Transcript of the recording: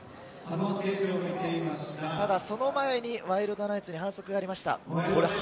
ただその前にワイルドナイツに反則がありました。